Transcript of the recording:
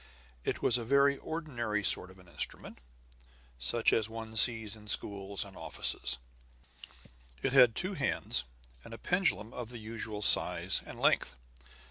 It was a very ordinary sort of an instrument, such as one sees in schools and offices; it had two hands, and a pendulum of the usual size and length.